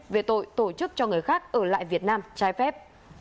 về tội tổ chức cho người khác ở lại việt nam trái phép